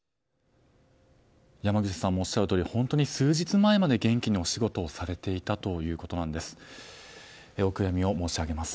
山口さんもおっしゃるとおり本当に数日前まで元気にお仕事されていたということなんです。